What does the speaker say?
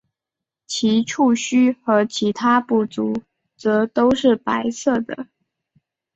其触须和其他步足则都是白色的。